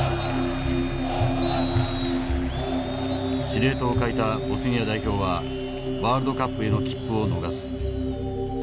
司令塔を欠いたボスニア代表はワールドカップへの切符を逃す。